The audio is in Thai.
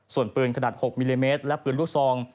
ส่วนปืนขนาด๖มิลลิเมตรและปืนลูกซอง